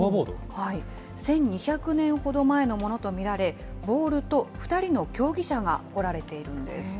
１２００年ほど前のものと見られ、ボールと２人の競技者が彫られているんです。